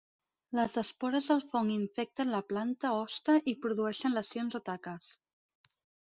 Les espores del fong infecten la planta hoste i produeixen lesions o taques.